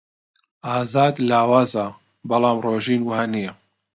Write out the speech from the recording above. ئازاد لاوازە، بەڵام ڕۆژین وانییە.